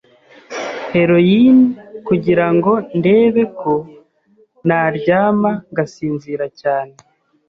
heroine kugirango ndebe ko naryama ngasinzira cyane